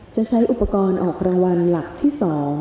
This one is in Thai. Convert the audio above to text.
ใช้อุปกรณ์ออกรางวัลหลักที่๒